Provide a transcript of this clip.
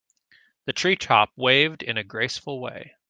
The tree top waved in a graceful way.